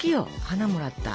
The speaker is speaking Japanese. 花もらった。